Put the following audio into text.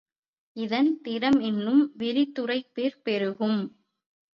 இதன் திறம் இன்னும் விரித்துரைப்பிற் பெருகும்.